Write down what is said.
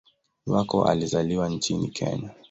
Wako alizaliwa nchini Kenya.